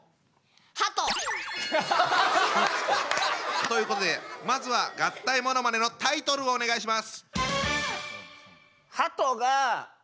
ハト！ということでまずは合体ものまねのタイトルをお願いします。